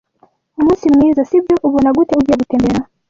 Umunsi mwiza, sibyo? Ubona gute ugiye gutembera?